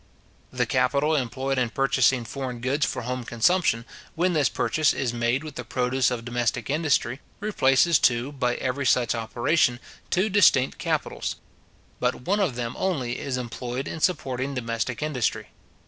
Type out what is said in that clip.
The capital employed in purchasing foreign goods for home consumption, when this purchase is made with the produce of domestic industry, replaces, too, by every such operation, two distinct capitals; but one of them only is employed in supporting domestic industry.